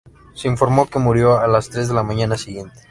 Se informó que murió a las tres de la mañana siguiente.